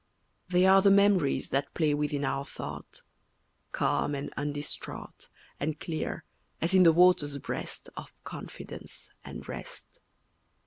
They are the memories that play within our thought, Calm and undistraught And clear, as in the water's breast Of confidence and rest.